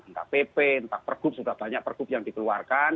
entah pp entah pergub sudah banyak pergub yang dikeluarkan